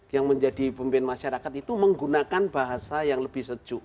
yang menjadi pemimpin masyarakat itu menggunakan bahasa yang lebih sejuk